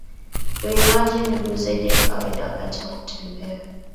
uinuaji miguu zaidi ya kawaida wakati wa kutembea